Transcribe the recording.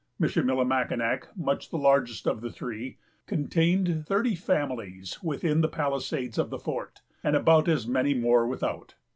Michillimackinac, much the largest of the three, contained thirty families within the palisades of the fort, and about as many more without.